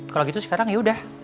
kalau gitu sekarang yaudah